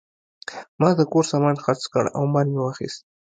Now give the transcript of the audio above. ما د کور سامان خرڅ کړ او مال مې واخیست.